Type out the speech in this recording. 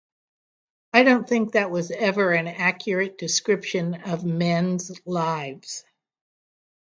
I don't think that was ever an accurate description of men's lives.